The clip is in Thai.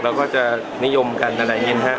เราก็จะนิยมกันอะไรที่นะครับ